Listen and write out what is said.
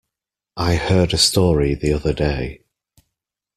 I heard a story the other day.